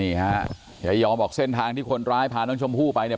นี่ฮะยายอมบอกเส้นทางที่คนร้ายพาน้องชมพู่ไปเนี่ย